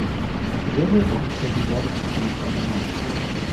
The river acts as a water supply for Havana.